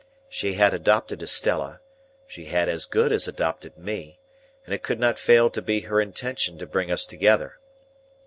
She had adopted Estella, she had as good as adopted me, and it could not fail to be her intention to bring us together.